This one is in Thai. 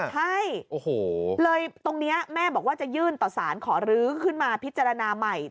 ใช่เลยตรงนี้แม่บอกว่าจะยื่นต่อสารขอรื้อขึ้นมาพิจารณาใหม่